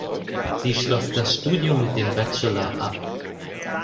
Sie schloss das Studium mit dem Bachelor ab.